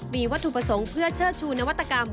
มีวัตถุประสงค์เพื่อเชิดชูนวัตกรรม